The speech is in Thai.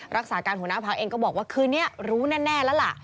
รักษาการหัวหน้าพักเองก็บอกว่าคืนนี้รู้แน่แล้วล่ะ